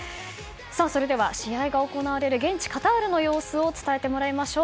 それでは、試合が行われる現地カタールの様子を伝えてもらいましょう。